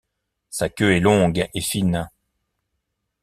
Sa queue est longue et fine.